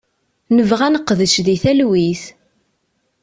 Nebɣa ad neqdec di talwit.